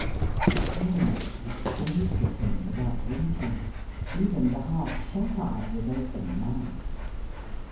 The Toy Merchant gazed at him, without winking. Even the half shut eye was open now.